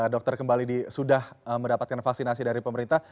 dokter kembali sudah mendapatkan vaksinasi dari pemerintah